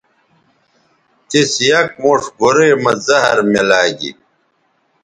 تِس یک موݜ گورئ مہ زہر میلاگی